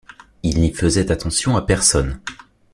Il n’y faisait attention à personne.